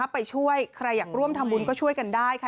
ไปช่วยใครอยากร่วมทำบุญก็ช่วยกันได้ค่ะ